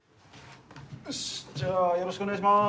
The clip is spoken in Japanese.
よしじゃあよろしくお願いします。